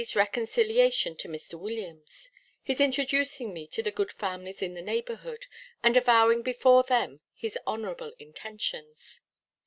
's reconciliation to Mr. Williams; his introducing me to the good families in the neighbourhood, and avowing before them his honourable intentions.